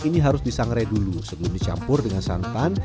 ini harus disangrai dulu sebelum dicampur dengan santan